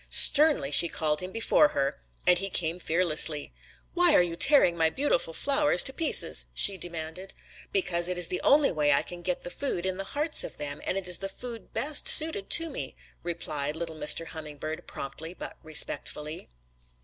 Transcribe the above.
Sternly she called him before her, and he came fearlessly. 'Why are you tearing my beautiful flowers to pieces?' she demanded. "'Because it is the only way I can get the food in the hearts of them, and it is the food best suited to me,' replied little Mr. Hummingbird promptly but respectfully.